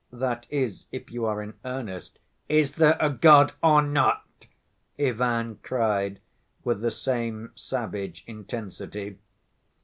—that is, if you are in earnest—" "Is there a God or not?" Ivan cried with the same savage intensity.